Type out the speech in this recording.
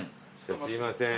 すいません。